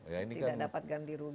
tidak dapat ganti rugi